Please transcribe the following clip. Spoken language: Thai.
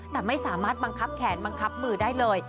แต่ไม่สามารถบังคับแขนบังคับมือได้เลย